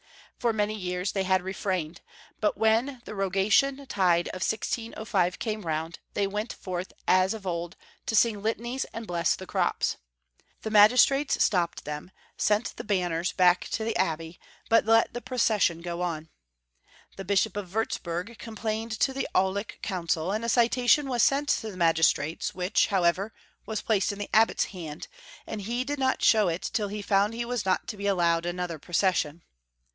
For many years they had refrained, but when the Rogation tide of 1605 came round, they went forth, as of old, to sing litanies and bless the crops. The magis trates stopped them, sent back the banners to the abbey, but let the procession go on. The Bishop of Wurtzburg complained to the Aulic Council, and a citation Avas sent to the magistrates, wliich, however, was placed in the Abbot's hands, and he did not show it tUl he found he was not to be al lowed another procession.